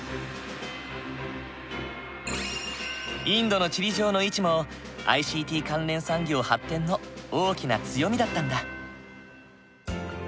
インドの地理上の位置もＩＣＴ関連産業発展の大きな強みだったんだ。